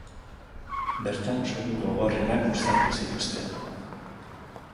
Bertan soinu gogorrenak uztartu zituzten.